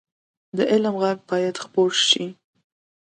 د علم غږ باید خپور شي